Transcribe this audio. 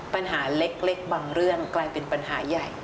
ปัญหาเล็กบางเรื่องกลายเป็นปัญหาใหญ่